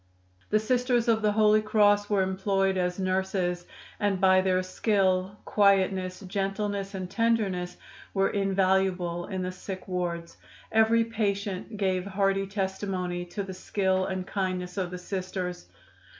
The Sisters of the Holy Cross were employed as nurses, and by their skill, quietness, gentleness and tenderness were invaluable in the sick wards. Every patient gave hearty testimony to the skill and kindness of the Sisters.